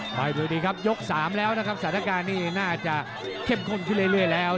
ไปดูดีครับยก๓แล้วนะครับสถานการณ์นี้น่าจะเข้มข้นขึ้นเรื่อยแล้ว